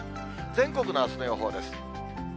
全国のあすの予報です。